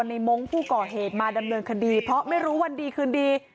มงค์ผู้ก่อเหตุมาดำเนินคดีเพราะไม่รู้วันดีคืนดี